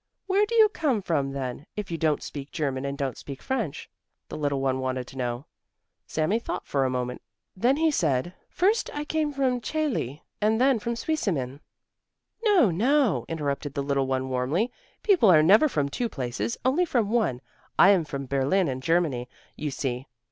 "Where do you come from then, if you don't speak German and don't speak French?" the little one wanted to know. Sami thought for a moment, then he said: "First I came from Chailly and then from Zweisimmen." "No, no," interrupted the little one warmly. "People are never from two places, only from one. I am from Berlin, in Germany, you see.